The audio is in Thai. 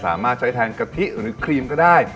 สามารถใช้แทงกะทิเอาด้วยครีมก็ได้